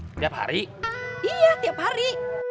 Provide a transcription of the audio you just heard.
setiap hari iya tiap hari